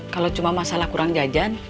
kalau cuma masalah kurang jajan